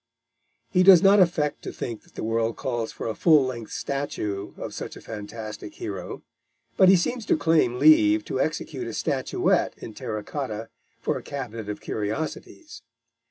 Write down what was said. He does not affect to think that the world calls for a full length statue of such a fantastic hero; but he seems to claim leave to execute a statuette in terracotta for a cabinet of curiosities.